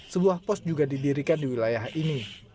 sebuah pos juga didirikan di wilayah ini